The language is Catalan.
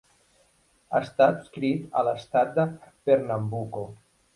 Està adscrit a l'estat de Pernambuco.